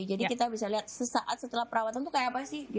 jadi kita bisa lihat sesaat setelah perawatan tuh kayak apa sih